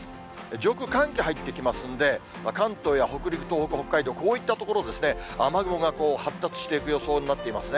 上空、寒気入ってきますので、関東や北陸、東北、北海道、こういった所に雨雲が発達していく予想になっていますね。